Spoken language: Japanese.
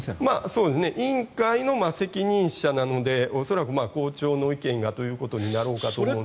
委員会の責任者なので恐らく校長の意見がということになろうかと思いますが。